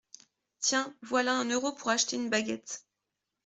Tiens, voilà un euro pour acheter une baguette.